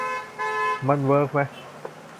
มันเวิร์กมะ ?